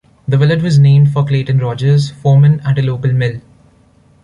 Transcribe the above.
The village was named for Clayton Rodgers, foreman at a local mill.